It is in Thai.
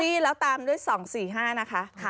นี่แล้วตามด้วย๒๔๕นะคะ